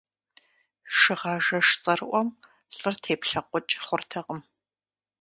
Шыгъажэш цӀэрыӀуэм лӀыр теплъэкъукӀ хъуртэкъым.